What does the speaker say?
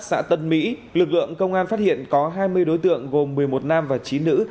xã tân mỹ lực lượng công an phát hiện có hai mươi đối tượng gồm một mươi một nam và chín nữ